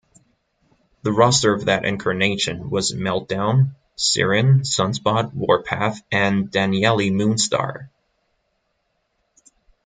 The roster of that incarnation was Meltdown, Siryn, Sunspot, Warpath, and Danielle Moonstar.